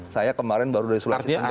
saya kemarin baru dari sulawesi tengah